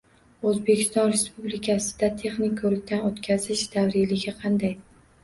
O‘zbekiston Respublikasida texnik ko‘rikdan o‘tkazish davriyligi qanday?